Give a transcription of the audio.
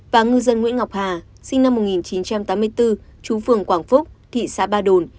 và ngư dân nguyễn ngọc hà sinh năm một nghìn chín trăm tám mươi bốn chú phường quảng phúc thị xã ba đồn